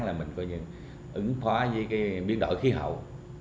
là mình có những ứng phó với cái biến đổi khí hậu